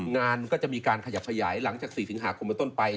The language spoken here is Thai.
งานก็จะมีการขยับขยายหลังจากศรีสิงหากลมต้นไป